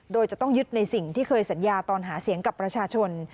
โดยจะต้องยึดในสิ่งที่เคยสัญญาตอนหาเสียงกับประชาชน